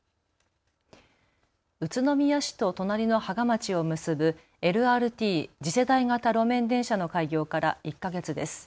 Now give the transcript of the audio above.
宇都宮市と隣の芳賀町を結ぶＬＲＴ・次世代型路面電車の開業から１か月です。